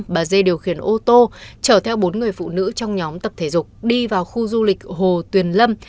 bà dê điều khiển ô tô chở theo bốn người phụ nữ trong nhóm tập thể dục đi vào khu du lịch hồ tuyền lâm